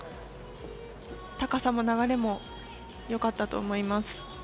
高さも流れもよかったと思います。